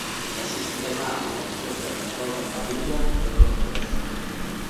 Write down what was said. La sistematica di questa numerosa famiglia è complessa.